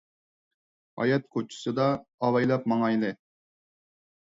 ھايات كوچىسىدا ئاۋايلاپ ماڭايلى !